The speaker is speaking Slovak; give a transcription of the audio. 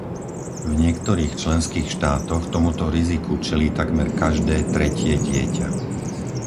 V niektorých členských štátoch tomuto riziku čelí takmer každé tretie dieťa.